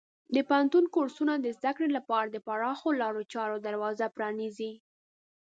د پوهنتون کورسونه د زده کړې لپاره د پراخو لارو چارو دروازه پرانیزي.